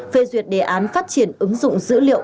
phê duyệt đề án phát triển ứng dụng dữ liệu